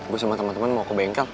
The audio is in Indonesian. gua sama temen temen mau ke bengkel